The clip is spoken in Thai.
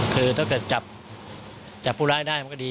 คือถ้าเกิดจับผู้ร้ายได้มันก็ดี